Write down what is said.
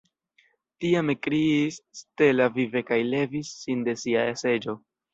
Tiam ekkriis Stella vive kaj levis sin de sia seĝo.